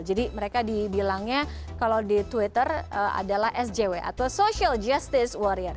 mereka dibilangnya kalau di twitter adalah sjw atau social justice warrior